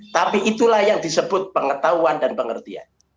tapi itulah yang disebut pengetahuan dan pengertian